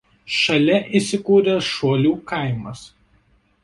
Šalia įsikūręs Šuolių kaimas.